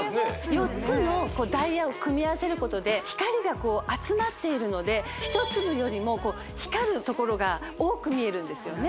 ４つのダイヤを組み合わせることで光が集まっているので１粒よりも光るところが多く見えるんですよね